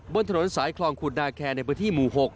บนถนนสายคลองขุดนาแคร์ในพื้นที่หมู่๖